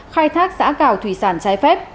khai thác xã cào thủy sản trái phép